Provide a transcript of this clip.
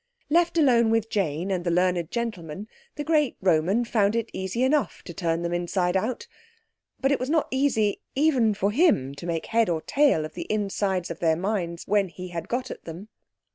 Left alone with Jane and the learned gentleman, the great Roman found it easy enough to turn them inside out. But it was not easy, even for him, to make head or tail of the insides of their minds when he had got at them.